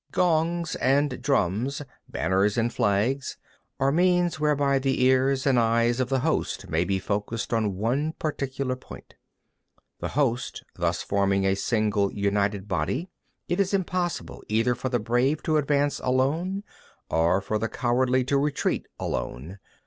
24. Gongs and drums, banners and flags, are means whereby the ears and eyes of the host may be focussed on one particular point. 25. The host thus forming a single united body, is it impossible either for the brave to advance alone, or for the cowardly to retreat alone.